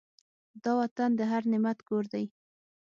دا وطن د هر نعمت کور دی.